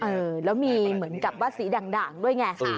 เออแล้วมีเหมือนกับว่าสีด่างด้วยไงค่ะ